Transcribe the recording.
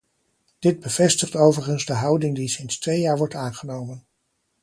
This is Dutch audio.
Dit bevestigt overigens de houding die sinds twee jaar wordt aangenomen.